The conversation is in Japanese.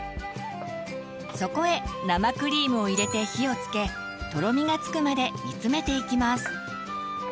そこへ生クリームを入れて火をつけとろみがつくまで煮つめていきます。